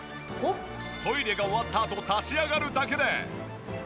トイレが終わったあと立ち上がるだけで。